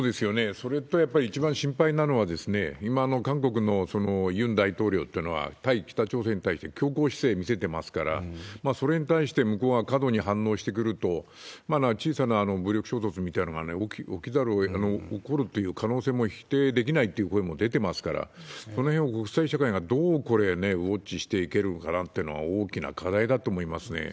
それとやっぱり一番心配なのは、今、韓国のユン大統領っていうのは、対北朝鮮に対して強硬姿勢を見せていますから、それに対して向こうが過度に反応してくると、小さな武力衝突みたいな起こるという可能性も否定できないという声も出てますから、このへんを国際社会がどうこれね、ウォッチしていけるのかなというのは大きな課題だと思いますね。